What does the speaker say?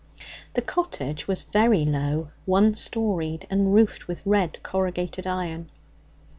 The cottage was very low, one storied, and roofed with red corrugated iron.